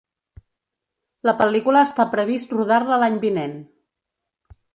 La pel·lícula està previst rodar-la l’any vinent.